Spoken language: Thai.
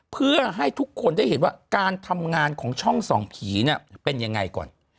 เพื่อให้ทุกคนได้เห็นว่าการทำงานของช่องส่องผีเนี่ยเป็นยังไงก่อน